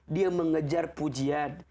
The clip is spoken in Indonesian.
dia mengejar pujian